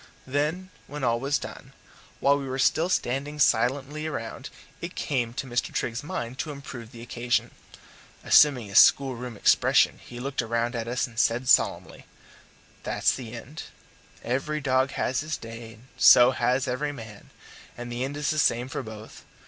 Then, when all was done, while we were still standing silently around, it came into Mr. Trigg's mind to improve the occasion. Assuming his schoolroom expression he looked round at us and said solemnly: "That's the end. Every dog has his day and so has every man; and the end is the same for both.